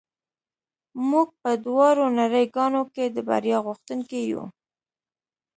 موږ په دواړو نړۍ ګانو کې د بریا غوښتونکي یو